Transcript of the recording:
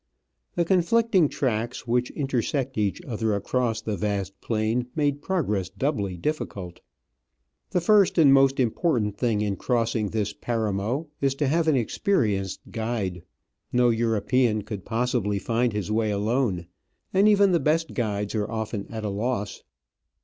The conflicting tracks which intersect each other across the vast plain made progress doubly difficult. The first and most important thing in crossing this Paramo is to have an experienced guide ; no European could possibly find his way alone, and even the best guides are often at a loss.